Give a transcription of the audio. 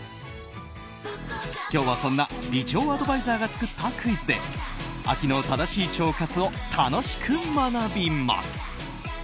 今日はそんな美腸アドバイザーが作ったクイズで秋の正しい腸活を楽しく学びます。